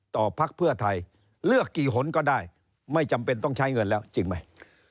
พักเพื่อไทยเลือกกี่หนก็ได้ไม่จำเป็นต้องใช้เงินแล้วจริงไหม